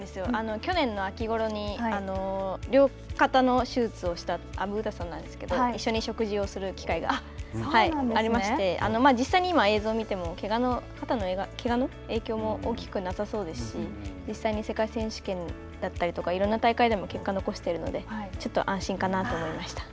去年の秋ごろに両肩の手術をした、詩さんなんですけど、一緒に食事をする機会がありまして、実際に今、映像を見ても、肩のけがの影響も大きくなさそうですし、実際に世界選手権だったりとか、いろんな大会でも結果を残しているので、ちょっと安心かなと思いました。